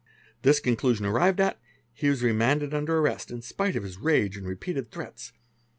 This conclusion arrived at, he was remanded under rrest, in spite of his rage and repeated threats.